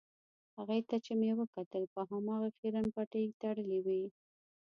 هغې ته چې مې وکتل په هماغه خیرن پټۍ کې تړلې وې.